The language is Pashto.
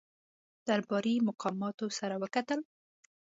درباري مقاماتو سره وکتل.